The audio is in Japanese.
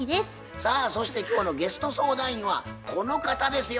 さあそして今日のゲスト相談員はこの方ですよ。